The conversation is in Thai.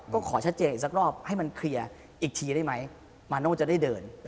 ก็ขอชัดเจนอีกสักรอบให้มันเคลียร์อีกทีได้ไหมมาโน่จะได้เดิน